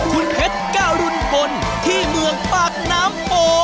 คุณเพชรกรุณพลที่เมืองปากน้ำโป